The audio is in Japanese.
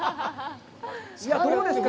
どうですか。